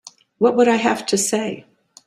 What would I have to say?